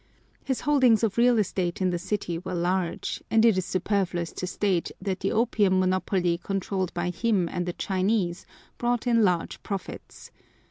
His holdings of real estate in the city were large, and it is superfluous to state that the opium monopoly controlled by him and a Chinese brought in large profits.